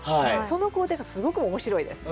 その工程がすごく面白いです。